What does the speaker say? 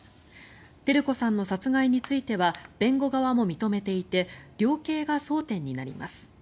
照子さんの殺害については弁護側も認めていて量刑が争点になります。